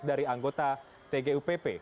dari anggota tgupp